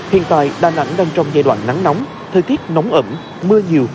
hiện tại đà nẵng đang trong giai đoạn nắng nóng thời tiết nóng ẩm mưa nhiều